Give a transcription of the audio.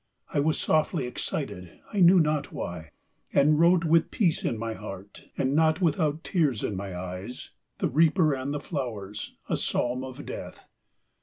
I was softly excited, I knew not why, and wrote with peace in my heart, and not without tears in my eyes, The Reaper and the Flowers, a Psalm of Death.